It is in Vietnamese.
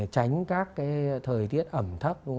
tránh các cái thời tiết ẩm thấp